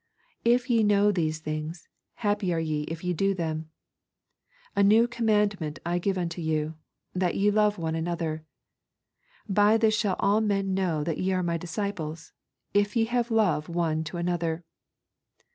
'If ye know these things, happy are ye if ye do them. A new commandment I give unto you, that ye love one another. By this shall all men know that ye are My disciples, if ye have love one to another.